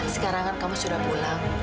sekarang kan kamu sudah pulang